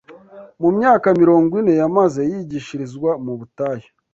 mu myaka mirongo ine yamaze yigishirizwa mu butayu